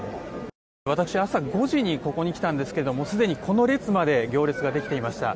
私、朝５時にここに来たんですがすでに、この列まで行列ができていました。